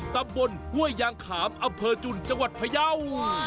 ตำบลห้วยยางขามอำเภอจุนจังหวัดพยาว